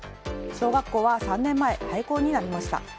小学校は３年前廃校になりました。